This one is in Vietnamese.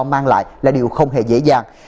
mang lại là điều không hề dễ dàng